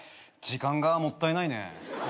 時間がもったいないね。